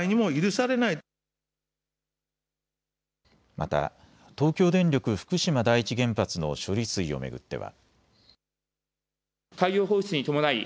また東京電力福島第一原発の処理水を巡っては。